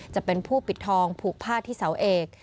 จะเป็นผู้ปิดทองผูกผ้าที่เสาเอก